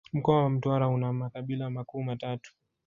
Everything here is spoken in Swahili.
Mkoa wa Mtwara una makabila makuu matatu